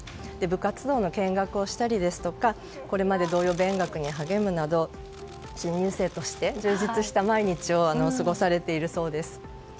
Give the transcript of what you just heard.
部活動の見学をしたりですとかこれまで同様、勉学に励むなど新入生として充実した毎日を過ごされているそうです。